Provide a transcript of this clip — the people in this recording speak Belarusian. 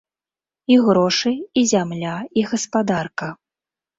І грошы, і зямля, і гаспадарка.